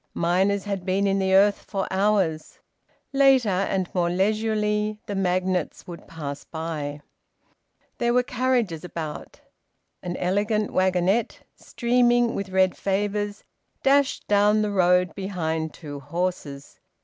Miners had been in the earth for hours. Later, and more leisurely, the magnates would pass by. There were carriages about. An elegant wagonette, streaming with red favours, dashed down the road behind two horses.